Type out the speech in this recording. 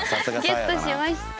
ゲットしました。